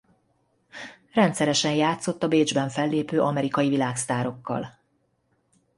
Rendszeresen játszott a Bécsben fellépő amerikai világsztárokkal.